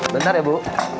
bentar ya bu